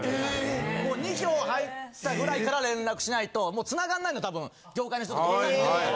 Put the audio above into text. もう２票入ったぐらいから連絡しないともう繋がんないの多分業界の人とか分かってるから。